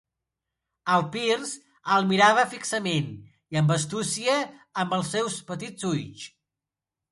El Pearce el mirava fixament i amb astúcia amb els seus petits ulls.